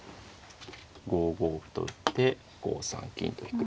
５五歩と打って５三金と引く。